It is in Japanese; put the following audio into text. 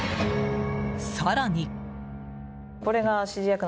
更に。